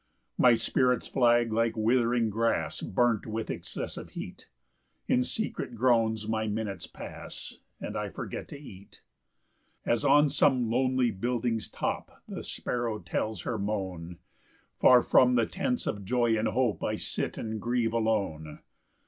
3 My spirits flag like withering grass Burnt with excessive heat; In secret groans my minutes pass, And I forget to eat. 4 As on some lonely building's top The sparrow tells her moan, Far from the tents of joy and hope I sit and grieve alone.